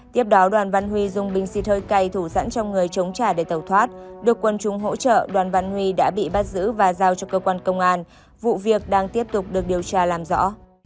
tiếp đó đoàn văn huy dùng bình xịt hơi cay thủ sẵn trong người chống trả để tẩu thoát được quân chúng hỗ trợ đoàn văn huy đã bị bắt giữ và giao cho cơ quan công an vụ việc đang tiếp tục được điều tra làm rõ